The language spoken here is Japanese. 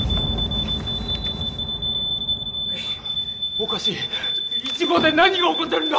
おかしい１号で何が起こってるんだ？